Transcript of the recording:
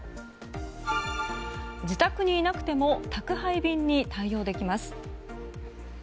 自宅にいなくても宅配便に対応できます。